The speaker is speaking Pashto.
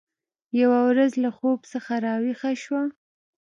یوه ورځ له خوب څخه راویښه شوه